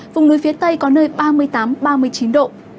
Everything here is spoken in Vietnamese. vùng núi phía tây có nơi ba mươi tám ba mươi chín độ